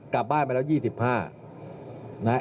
กลับบ้านไปแล้ว๒๕